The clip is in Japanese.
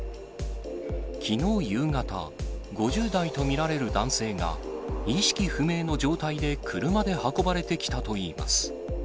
きのう夕方、５０代と見られる男性が、意識不明の状態で車で運ばれてきたといいます。